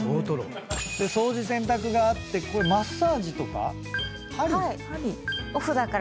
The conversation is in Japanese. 掃除洗濯があってマッサージとか鍼？